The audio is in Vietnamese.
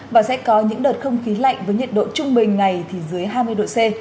và sẽ có những đợt không khí lạnh với nhiệt độ trung bình ngày thì dưới hai mươi độ c